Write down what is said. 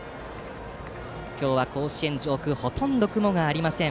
今日は、甲子園上空ほとんど雲がありません。